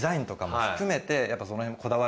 その辺も。